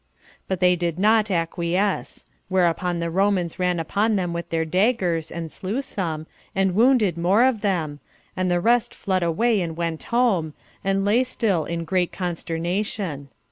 But they did not acquiesce; whereupon the Romans ran upon them with their daggers, and slew some, and wounded more of them, and the rest fled away and went home, and lay still in great consternation.